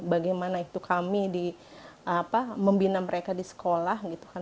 bagaimana itu kami membina mereka di sekolah gitu kan